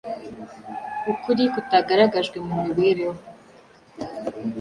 Ukuri kutagaragajwe mu mibereho